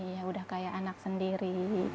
ya udah kayak anak sendiri